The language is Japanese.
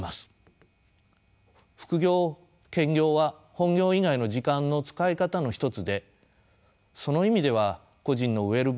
副業・兼業は本業以外の時間の使い方の一つでその意味では個人のウェルビーイング